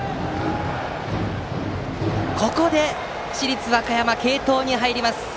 ここで市立和歌山継投に入ります。